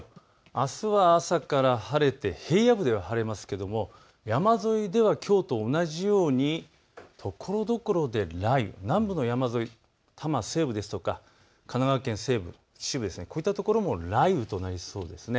あすは朝から晴れて平野部では晴れますが山沿いではきょうと同じようにところどころで雷雨、南部の山沿い、多摩西部ですとか神奈川県西部、秩父、こういった所も雷雨となりそうです。